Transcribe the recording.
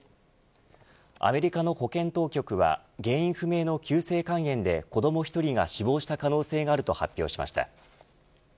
アメリカの保健当局は原因不明の急性肝炎で子ども１人が死亡した可能性があると発表しました。